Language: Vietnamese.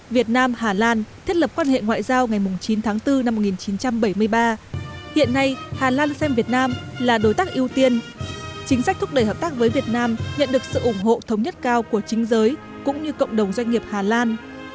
việt nam hà lan thiết lập quan hệ ngoại giao ngày chín tháng bốn năm một nghìn chín trăm bảy mươi ba hiện nay hà lan xem việt nam là đối tác ưu tiên chính sách thúc đẩy hợp tác với việt nam nhận được sự ủng hộ thống nhất cao của chính giới cũng như cộng đồng doanh nghiệp hà lan